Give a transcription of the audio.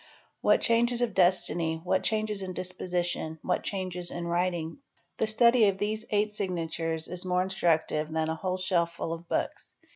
What changes of destiny, wha changes in disposition, what changes in writing. The study of thes eight signatures is more instructive than "a whole shelf full of books.